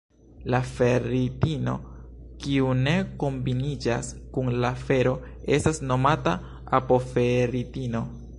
La ferritino kiu ne kombiniĝas kun la fero estas nomata apoferritino.